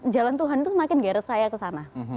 jalan tuhan itu semakin geret saya ke sana